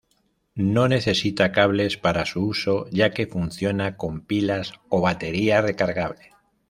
No necesita cables para su uso ya que funciona con pilas o batería recargable.